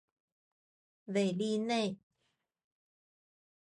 韦利内。